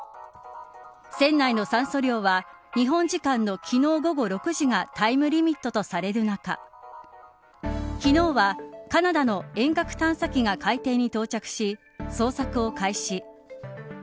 船内の酸素量は日本時間の昨日午後６時がタイムリミットとされる中昨日はカナダの遠隔探査機が海底に到達し捜索を開始。